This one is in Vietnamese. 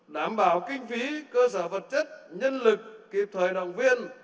đảm bảo kinh phí cơ sở vật chất nhân lực kịp thời động viên